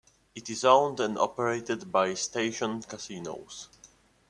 It is owned and operated by Station Casinos.